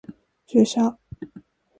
注射